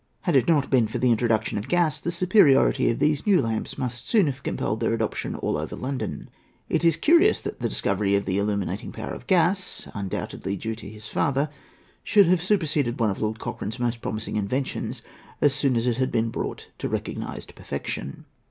Had it not been for the introduction of gas, the superiority of these new lamps must soon have compelled their adoption all over London. It is curious that the discovery of the illuminating power of gas—undoubtedly due to his father—should have superseded one of Lord Cochrane's most promising inventions as soon as it had been brought to recognized perfection.